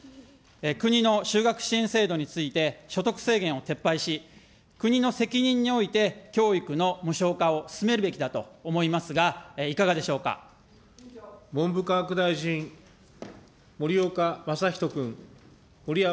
国の就学支援制度について、所得制限を撤廃し、国の責任において教育の無償化を進めるべきだと思いますが、いか文部科学大臣、盛山正仁君。